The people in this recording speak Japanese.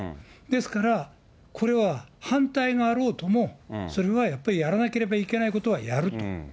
ですからこれは、反対があろうとも、それはやっぱりやらなければいけないことはやる。